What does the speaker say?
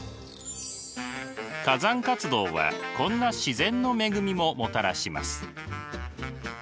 火山活動はこんな自然の恵みももたらします。